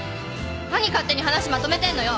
何勝手に話まとめてんのよ。